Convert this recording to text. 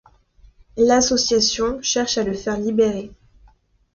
L'association cherche à le faire libérer.